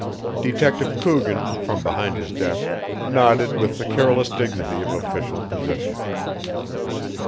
Detective Coogan, from behind his desk, nodded with the careless dignity of official position.